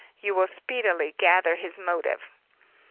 You will speedily gather his motive.